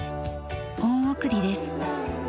「恩送り」です。